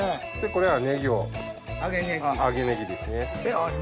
これはネギを揚げネギですね。